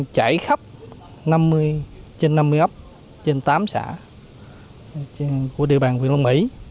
chảy khắp trên năm mươi ấp trên tám xã của địa bàn huyện long mỹ